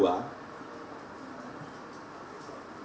siapa yang akan bayar